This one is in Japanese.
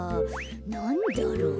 なんだろう？